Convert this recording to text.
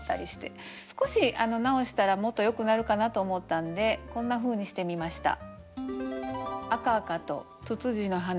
少し直したらもっとよくなるかなと思ったんでこんなふうにしてみました。